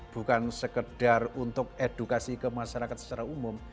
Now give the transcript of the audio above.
bukan sekedar untuk edukasi ke masyarakat secara umum